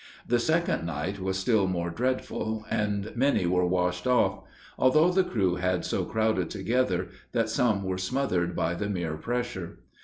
The second night was still more dreadful, and many were washed off; although the crew had so crowded together, that some were smothered by the mere pressure.